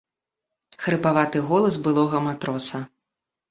Хрыпаваты голас былога матроса.